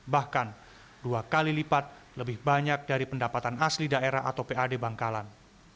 bahkan dua kali lipat lebih banyak dari pendapatan asli daerah atau pad bangkalan